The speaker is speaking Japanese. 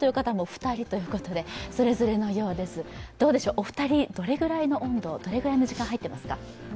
お二人、どれくらいの温度、どれくらいの時間入っていますか？